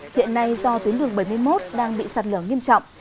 hiện nay do tuyến đường bảy mươi một đang bị sạt lở nghiêm trọng